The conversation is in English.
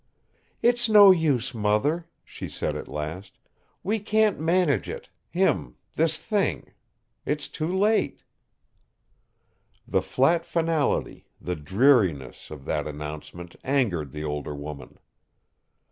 "It's no use, mother," she said at last. "We can't manage it him this thing. It's too late." The flat finality, the dreariness, of that announcement angered the older woman.